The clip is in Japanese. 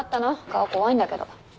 顔怖いんだけど。